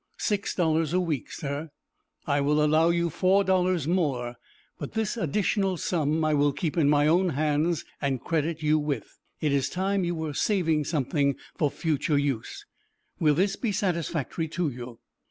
"Six dollars a week, sir." "I will allow you four dollars more, but this additional sum I will keep in my own hands, and credit you with. It is time you were saving something for future use. Will this be satisfactory to you?"